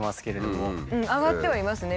上がってはいますね。